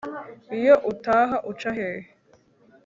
iyo utaha uca hehe